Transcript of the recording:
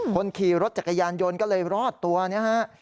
คนขี่รถจักรยานยนต์ก็เลยรอดตัวนะฮะ